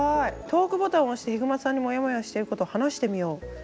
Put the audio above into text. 「トークボタンを押してひぐまさんにモヤモヤしてることを話してみよう」。